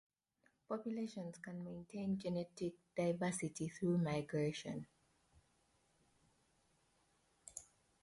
Populations can maintain genetic diversity through migration.